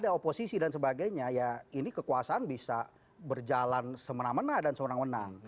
kalau tidak ada oposisi dan sebagainya ya ini kekuasaan bisa berjalan semena mena dan semena mena